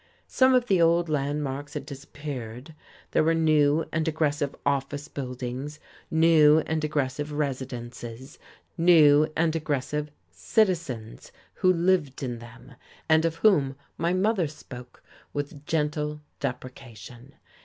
Some of the old landmarks had disappeared; there were new and aggressive office buildings, new and aggressive residences, new and aggressive citizens who lived in them, and of whom my mother spoke with gentle deprecation.